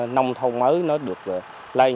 nông thôn mới nó được lên